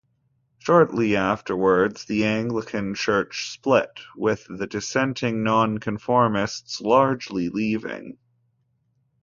Shortly afterwards the Anglican church split, with the dissenting Nonconformists largely leaving.